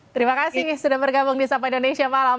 terima kasih sudah bergabung di sapa indonesia malam